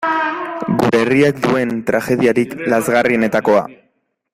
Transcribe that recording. Gure herriak duen tragediarik lazgarrienetakoa.